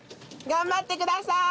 頑張ってください！